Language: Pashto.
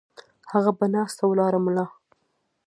هغه پۀ ناسته ولاړه ملا